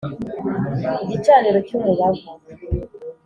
Igicaniro cy umubavu